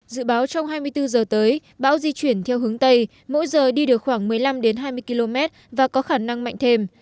dự báo trong hai mươi bốn giờ tới bão di chuyển theo hướng tây mỗi giờ đi được khoảng một mươi năm hai mươi km và có khả năng mạnh thêm